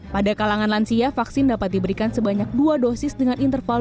pada kalangan lansia vaksin dapat diberikan sebanyak dua dosis dengan interval